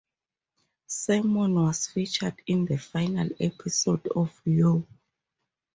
Sermon was featured in the final episode of Yo!